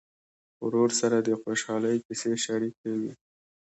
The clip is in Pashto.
ورور سره د خوشحالۍ کیسې شريکې وي.